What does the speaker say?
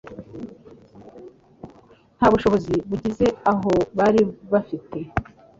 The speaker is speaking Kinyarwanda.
Nta bushobozi bugeze aho bari bafite.